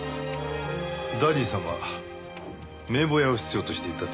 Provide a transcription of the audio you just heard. ダディさんは名簿屋を必要としていた。